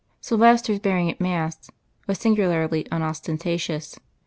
Silvester's bearing at mass was singularly unostentatious.